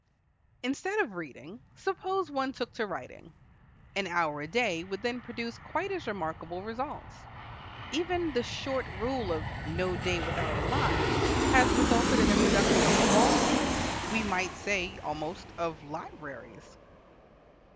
Instead of reading, suppose one took to writing: an hour a day would then produce quite as remarkable results. Even the short rule of "no day without a line," has resulted in the production of volumes we might say almost of libraries.